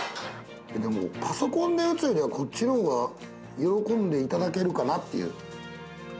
でも、パソコンで打つよりはこっちのほうが喜んでいただけるかなっていう。